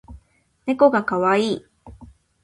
ねこがかわいい